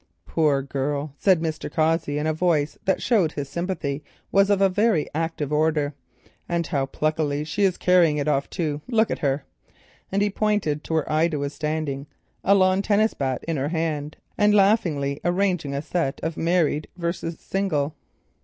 "Poor girl!" said Mr. Cossey, in a voice that showed his sympathy to be of a very active order, "and how pluckily she is carrying it off too—look at her," and he pointed to where Ida was standing, a lawn tennis bat in her hand and laughingly arranging a "set" of married versus single.